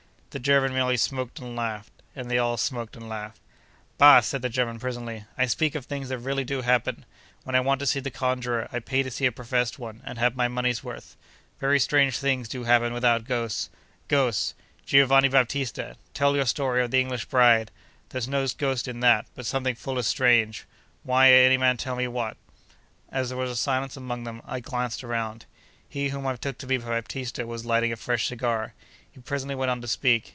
The German merely smoked and laughed; and they all smoked and laughed. 'Bah!' said the German, presently. 'I speak of things that really do happen. When I want to see the conjurer, I pay to see a professed one, and have my money's worth. Very strange things do happen without ghosts. Ghosts! Giovanni Baptista, tell your story of the English bride. There's no ghost in that, but something full as strange. Will any man tell me what?' As there was a silence among them, I glanced around. He whom I took to be Baptista was lighting a fresh cigar. He presently went on to speak.